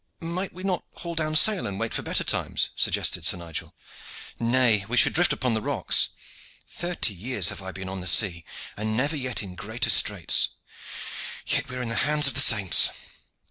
"Might we not haul down sail and wait for better times?" suggested Sir Nigel. "Nay, we should drift upon the rocks. Thirty years have I been on the sea, and never yet in greater straits. Yet we are in the hands of the Saints."